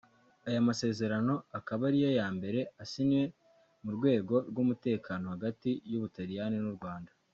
Aya masezerano akaba ariyo ya mbere asinywe mu rwego rw’umutekano hagati y’Ubutaliyani n’u Rwanda